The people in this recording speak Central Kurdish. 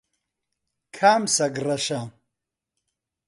کام سەگ ڕەشە؟